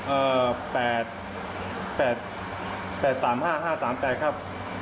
เอ่อแปดแปดแปดสามห้าห้าสามแปดครับ